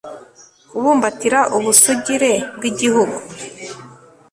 kubumbatira ubusugire bw'igihugu